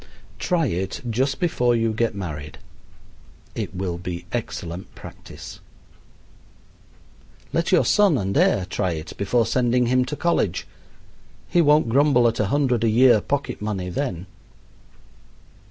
Try it just before you get married. It will be excellent practice. Let your son and heir try it before sending him to college. He won't grumble at a hundred a year pocket money then.